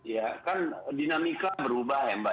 ya kan dinamika berubah ya mbak